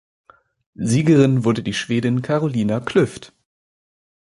Siegerin wurde die Schwedin Carolina Klüft.